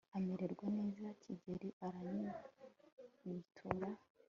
amererwa neza Gikeli aranyaruka yitura